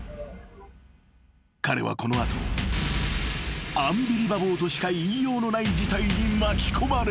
［彼はこの後アンビリバボーとしか言いようのない事態に巻き込まれる］